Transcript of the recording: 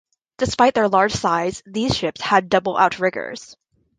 Despite their large size, these ships had double outriggers.